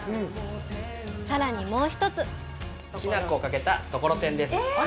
さらに、もう一つきな粉をかけた、ところてんです。え！